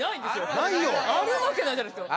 あるわけないじゃないですか。